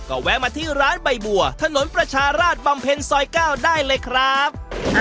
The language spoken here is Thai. ก็แวะมาที่ร้านใบบัวถนนประชาราชบำเพ็ญซอย๙ได้เลยครับ